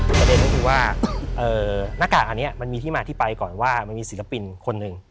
ประเด็นว่านี้มีทีมาที่ไปก่อนว่ามีศิลปินคนนึง